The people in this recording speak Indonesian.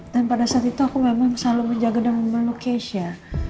dan pada saat itu aku memang selalu menjaga dan membantu keisha